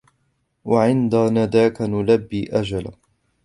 وعند نداك نلبي أجل